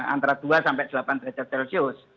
antara dua sampai delapan derajat celcius